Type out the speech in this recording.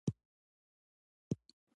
جلغوزي په خوست کې مشهور دي